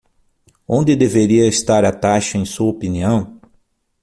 Onde deveria estar a taxa, em sua opinião?